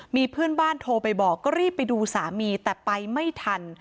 มีเพื่อนบ้านโทรไปบอกก็รีบไปดูสามีแต่ไปไม่ทัน